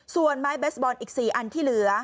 ส่วนไม้เบสบอลอีก๔อันที่เหลือ